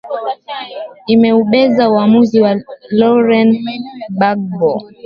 imeubeza uamuzi wa lauren bagbo